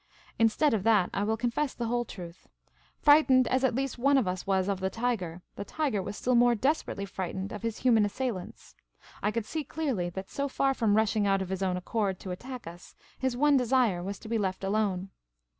Instead of that, I will confess the whole truth : frightened as at least one of us was of the tiger, the tiger was still more desperately frightened of his human assailants. I could see clearly that, so far from rushing out of his own accord to attack us, his one desire was to be let alone.